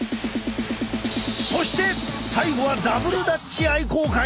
そして最後はダブルダッチ愛好会。